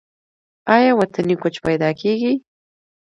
آیا وطني کوچ پیدا کیږي؟